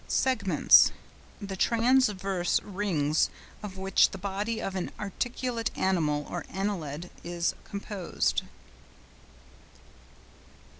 SEGMENTS.—The transverse rings of which the body of an articulate animal or annelid is composed.